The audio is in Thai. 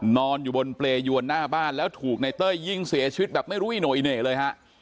นอนอยู่บนเปรยวนหน้าบ้านแล้วถูกในเต้ยยิงเสียชีวิตแบบไม่รู้อีโนอิเน่เลยฮะ